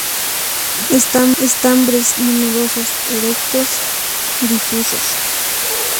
Estambres numerosos, erectos, f difusos.